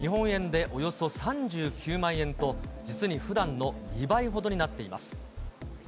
料金は日本円でおよそ３９万円と、実にふだんの２倍ほどになっています。